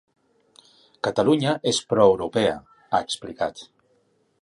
Catalunya és pro europea, ha explicat.